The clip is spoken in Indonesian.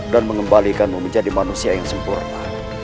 dan mengembalikanmu menjadi manusia yang sempurna